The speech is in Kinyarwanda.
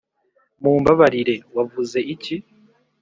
mumbabarire, wavuze iki?